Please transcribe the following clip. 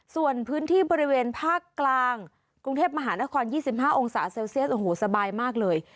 ส่วนพื้นที่บริเวณภาคกลางกรุงเทพมหานคร๒๕องศาเซลเซียสโอ้โหสบายมากเลย